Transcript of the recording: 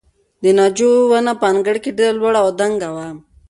د ناجو ونه په انګړ کې ډېره لوړه او دنګه وه.